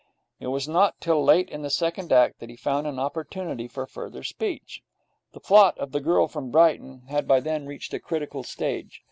It was not till late in the second act that he found an opportunity for further speech. The plot of 'The Girl From Brighton' had by then reached a critical stage.